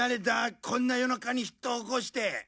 こんな夜中に人を起こして。